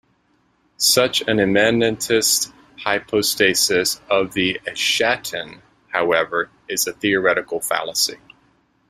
Such an immanentist hypostasis of the eschaton, however, is a theoretical fallacy.